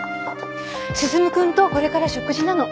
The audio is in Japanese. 進くんとこれから食事なの。